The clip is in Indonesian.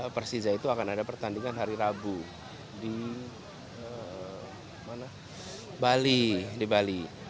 persija itu akan ada pertandingan hari rabu di bali